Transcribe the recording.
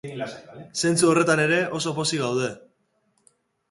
Zentzu horretan ere, oso pozik gaude.